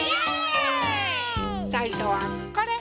さいしょはこれ！